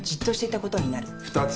２つ。